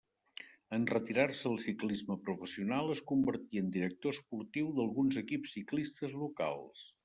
En retirar-se del ciclisme professional es convertí en director esportiu d'alguns equips ciclistes locals.